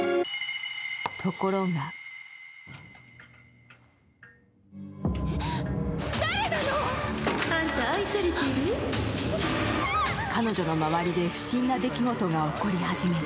ところが彼女の周りで不審な出来事が起こり始める。